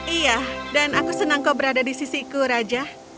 iya dan aku senang kau berada di sisiku raja